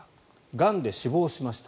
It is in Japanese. がんで死亡しました。